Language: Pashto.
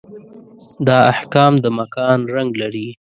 دا احکام د مکان رنګ لري.